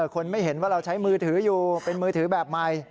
คนไม่เห็นว่าเราใช้มือถืออยู่เป็นมือถือแบบใหม่